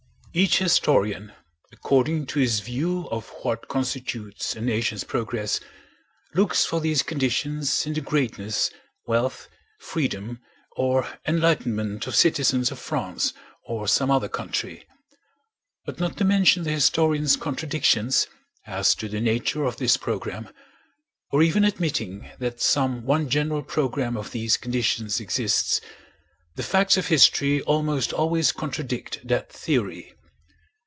Each historian, according to his view of what constitutes a nation's progress, looks for these conditions in the greatness, wealth, freedom, or enlightenment of citizens of France or some other country. But not to mention the historians' contradictions as to the nature of this program—or even admitting that some one general program of these conditions exists—the facts of history almost always contradict that theory.